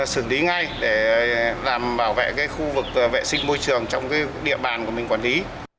xử lý ngay để làm bảo vệ khu vực vệ sinh môi trường trong địa bàn của mình quản lý